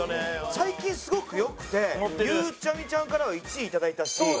最近すごく良くてゆうちゃみちゃんからは１位頂いたし。